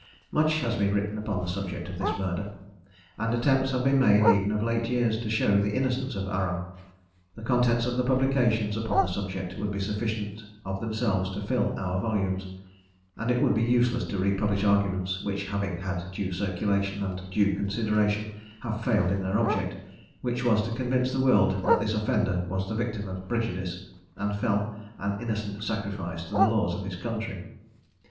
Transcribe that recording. Much has been written upon the subject of this murder, and attempts have been made, even of late years, to show the innocence of Aram. The contents of the publications upon the subject would be sufficient of themselves to fill our volumes; and it would be useless to republish arguments, which, having had due circulation and due consideration, have failed in their object, which was to convince the world that this offender was the victim of prejudice, and fell an innocent sacrifice to the laws of his country.